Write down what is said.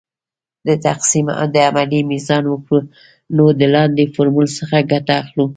د تقسیم د عملیې میزان وکړو نو د لاندې فورمول څخه ګټه اخلو .